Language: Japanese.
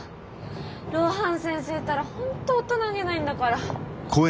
露伴先生ったらホント大人げないんだから。